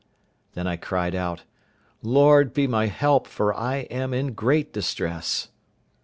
Then I cried out, "Lord, be my help, for I am in great distress."